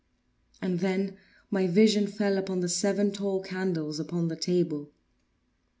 And then my vision fell upon the seven tall candles upon the table.